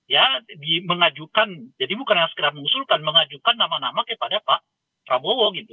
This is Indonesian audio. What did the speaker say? ya mengajukan jadi bukan hanya sekedar mengusulkan mengajukan nama nama kepada pak prabowo gitu